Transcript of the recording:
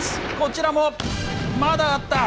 こちらも、まだあった！